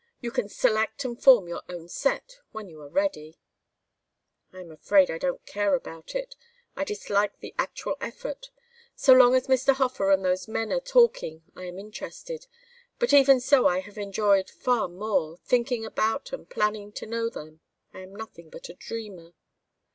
You can select and form your own set when you are ready." "I am afraid I don't care about it. I dislike the actual effort. So long as Mr. Hofer and those men are talking I am interested, but even so I have enjoyed far more thinking about and planning to know them. I am nothing but a dreamer."